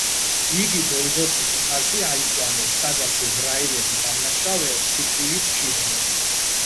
იგი გოლგოთის მთაზე აიყვანეს, სადაც ებრაელები დამნაშავეებს სიკვდილით სჯიდნენ.